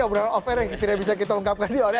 obrolan ofer yang tidak bisa kita ungkapkan